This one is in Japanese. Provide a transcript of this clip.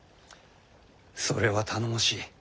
それは頼もしい。